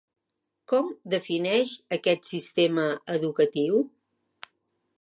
Com defineix aquest sistema educatiu?